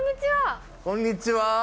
こんにちは。